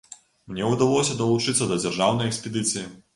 Мне ўдалося далучыцца да дзяржаўнай экспедыцыі.